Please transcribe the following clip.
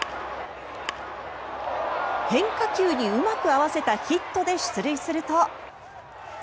変化球にうまく合わせたヒットで出塁すると。